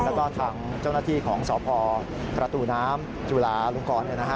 แล้วก็ทางเจ้าหน้าที่ของสพประตูน้ำจุลาลงกร